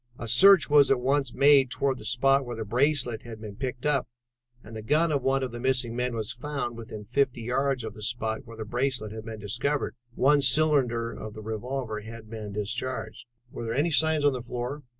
A search was at once made toward the spot where the bracelet had been picked up, and the gun of one of the missing men was found within fifty yards of the spot where the bracelet had been discovered. One cylinder of the revolver had been discharged." "Were there any signs on the floor?"